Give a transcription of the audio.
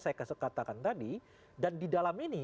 saya katakan tadi dan di dalam ini